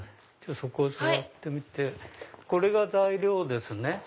そこ座ってみてこれが材料ですね。